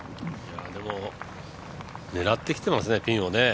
でも、狙ってきてますね、ピンをね。